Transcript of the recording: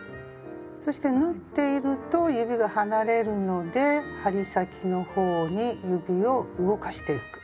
そして縫っていると指が離れるので針先の方に指を動かしてゆく。